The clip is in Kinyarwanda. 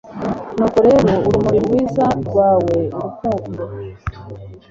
Nuko rero urumuri rwiza rwawe urukundo